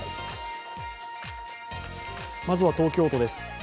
まずは東京都です。